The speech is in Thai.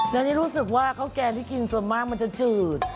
แล้วนี่รู้สึกว่าข้าวแกงที่กินส่วนมากมันจะจืด